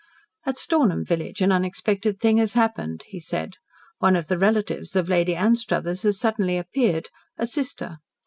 "At Stornham village an unexpected thing has happened," he said. "One of the relatives of Lady Anstruthers has suddenly appeared a sister.